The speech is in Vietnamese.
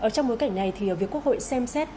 trong bối cảnh này thì việc quốc hội xem xét